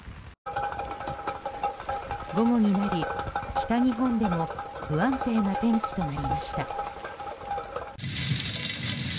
午後になり、北日本でも不安定な天気となりました。